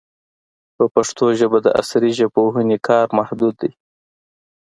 په پښتو ژبه د عصري ژبپوهنې کار محدود دی.